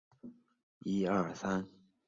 埃尔克内尔是德国勃兰登堡州的一个市镇。